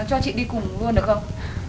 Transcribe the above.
cho chị đi cùng luôn được không